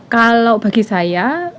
kalau bagi saya